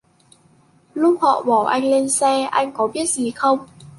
Lúc họ bỏ anh lên xe anh có biết gì không